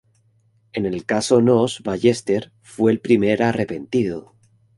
En el caso Nóos Ballester fue el primer arrepentido.